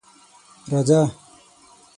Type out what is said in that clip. _راځه.